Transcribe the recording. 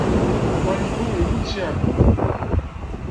Mayuko yemmut si ɛeggu.